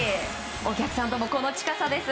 お客さんとも、この近さです！